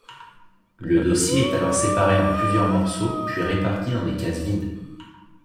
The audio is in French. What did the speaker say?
Le dossier est alors séparé en plusieurs morceaux puis réparti dans des cases vides.